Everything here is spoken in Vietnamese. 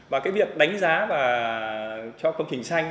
và cái việc đánh giá và cho công trình xanh